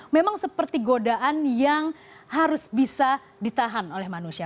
memang seperti godaan yang harus bisa ditahan oleh manusia